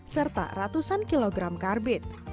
serta ratusan kilogram karbit